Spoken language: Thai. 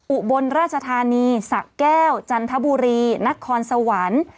อุบลราชธานีสะแก้วจันทบุรีนครสวรรค์